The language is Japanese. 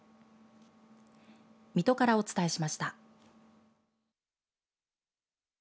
水戸からお伝えしました。